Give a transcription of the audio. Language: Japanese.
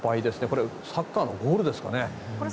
これサッカーのゴールですかね。